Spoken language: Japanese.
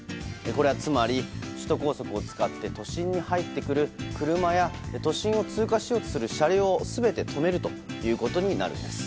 これはつまり首都高速を使って都心に入ってくる車や都心を通過しようとする車両全て止めるということになるんです。